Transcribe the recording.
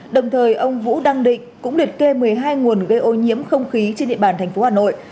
đồng thời ông vũ đăng định cũng liệt kê một mươi hai nguồn gây ô nhiễm không khí trên địa bàn thành phố hà nội